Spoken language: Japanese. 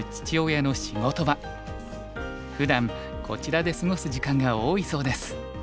ふだんこちらで過ごす時間が多いそうです。